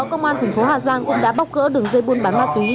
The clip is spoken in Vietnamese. công an thành phố hà giang cũng đã bóc gỡ đường dây buôn bán ma túy